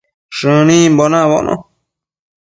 Shënimbo nabono